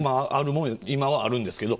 今はあるんですけど。